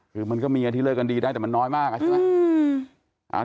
คือมันก็เมียที่เลิกกันดีได้แต่มันน้อยมากใช่ไหม